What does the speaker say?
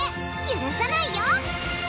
ゆるさないよ！